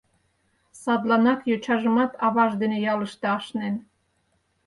Садланак йочажымат аваж дене ялыште ашнен.